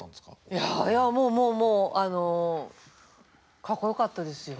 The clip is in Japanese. いやいやもうもうもうかっこよかったですよ。